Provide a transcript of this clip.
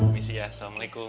misi ya assalamualaikum